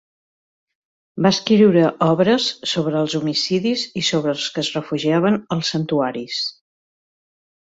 Va escriure obres sobre els homicidis i sobre els que es refugiaven als santuaris.